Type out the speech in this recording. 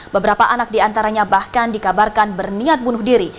beberapa anak di antaranya bahkan dikabarkan berniat bunuh diri